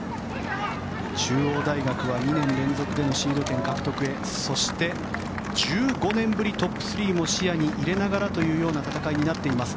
中央大学は２年連続でのシード権獲得へそして、１５年ぶりのトップ３も視野に入れながらの戦いにもなっています。